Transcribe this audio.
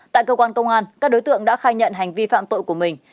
tại cơ quan công an các đối tượng đã khai nhận hành vi phạm tội của mình